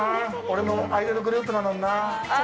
俺のアイドルグループなのになあ。